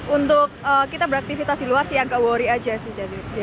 untuk kita beraktivitas di luar sih agak worry aja sih